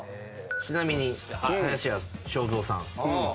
ちなみに林家正蔵さん。